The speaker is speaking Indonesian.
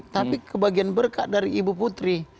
tapi kebagian berkat dari ibu putri